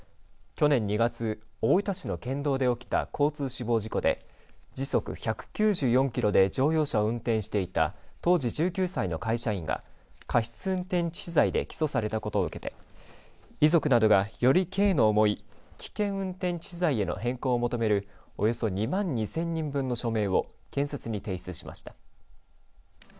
去年２月、大分市の県道で起きた交通死亡事故で時速１９４キロで乗用車を運転していた当時１９歳の会社員が過失運転致死罪で起訴されたことを受けて遺族などがより刑の重い危険運転致死罪への変更を求めるおよそ２万２０００人分の署名を検察に提出しました。